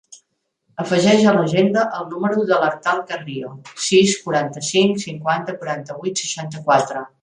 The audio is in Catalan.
Afegeix a l'agenda el número de l'Artal Carrio: sis, quaranta-cinc, cinquanta, quaranta-vuit, seixanta-quatre.